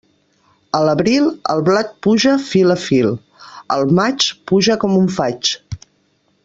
A l'abril, el blat puja fil a fil; al maig, puja com un faig.